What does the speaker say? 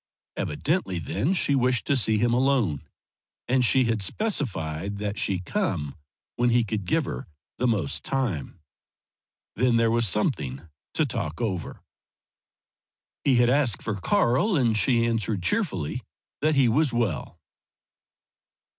Evidently then she wished to see him alone; and she had specified that she come when he could give her the most time. Then there was something to talk over. He had asked for Karl, and she answered, cheerfully, that he was well.